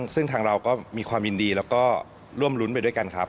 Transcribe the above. ซึ่งทางเราก็มีความยินดีแล้วก็ร่วมรุ้นไปด้วยกันครับ